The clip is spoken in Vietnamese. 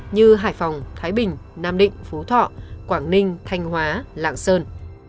như hải phòng thái bình nam định phú thọ quảng ninh thanh hóa lạng sơn